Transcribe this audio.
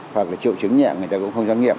hoặc là triệu chứng nhẹ người ta cũng không dám nghiệm